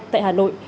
tại hà nội